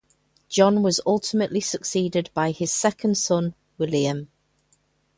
John was ultimately succeeded by his second son William.